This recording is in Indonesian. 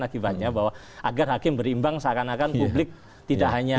akibatnya bahwa agar hakim berimbang seakan akan publik tidak hanya